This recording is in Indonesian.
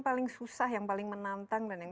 paling susah yang paling menantang dan yang